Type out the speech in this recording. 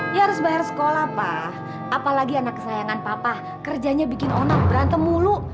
dia harus bayar sekolah pak apalagi anak kesayangan papa kerjanya bikin orang berantem mulu